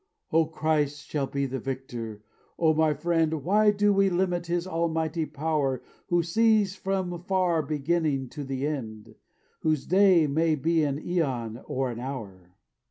"The Christ shall be the victor; O my friend, Why do we limit His almighty power Who sees from far beginning to the end? Whose day may be an æon or an hour?